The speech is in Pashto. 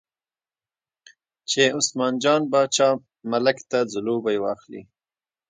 چې عثمان جان باچا ملک ته ځلوبۍ واخلي.